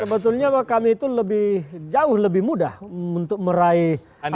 sebetulnya kami itu lebih jauh lebih mudah untuk meraih undecided voters ini